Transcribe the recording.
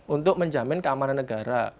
untuk menjamin keamanan negara